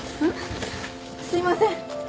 すいません！